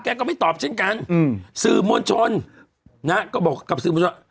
ก็ไม่ตอบเช่นกันอืมสื่อมวลชนนะฮะก็บอกกับสื่อมวลชน